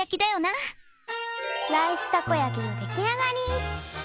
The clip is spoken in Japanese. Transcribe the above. ライスたこ焼きのできあがり！